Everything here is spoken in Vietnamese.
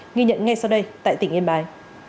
nghi nhận ngay sau đây tại tỉnh yên bái